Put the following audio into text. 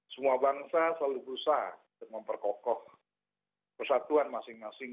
semua bangsa selalu berusaha untuk memperkokoh persatuan masing masing